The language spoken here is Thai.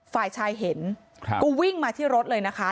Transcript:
ฝ่ายชายเห็นก็วิ่งมาที่รถเลยนะคะ